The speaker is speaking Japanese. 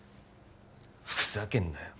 ふざけんなよ